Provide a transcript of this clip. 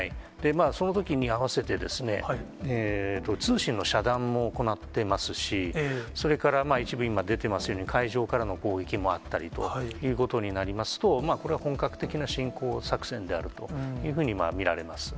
そのときに合わせて、通信の遮断も行ってますし、それから、一部今、出てますように、海上からの攻撃もあったりということになりますと、これは本格的な侵攻作戦であるというふうに見られます。